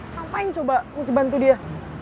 ngapain coba mesti bantu dia